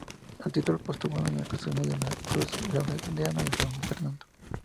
A título póstumo se le concedió la Cruz Laureada de San Fernando.